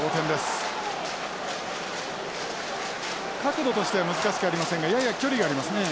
角度としては難しくありませんがやや距離がありますね。